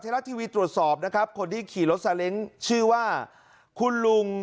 เหตุการณ์นี้เกิดขึ้นเมื่อวันที่๑๓ตรคม